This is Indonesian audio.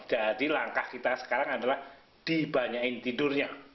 jadi langkah kita sekarang adalah dibanyain tidurnya